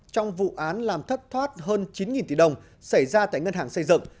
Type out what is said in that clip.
trong vụ án làm thất thoát hơn chín tỷ đồng xảy ra tại ngân hàng xây dựng